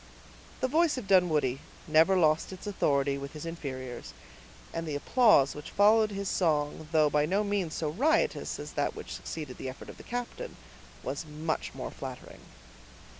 The voice of Dunwoodie never lost its authority with his inferiors; and the applause which followed his song, though by no means so riotous as that which succeeded the effort of the captain, was much more flattering.